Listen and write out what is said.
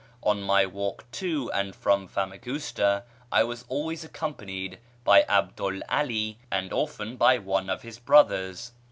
On my walk to and from Famagusta I was always accompanied by 'Abdu'l 'Alí and often by one of his brothers.